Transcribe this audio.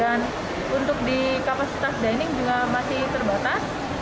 dan untuk di kapasitas dining juga masih terbatas